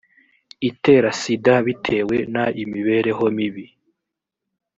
itera sida bitewe n imibereho mibi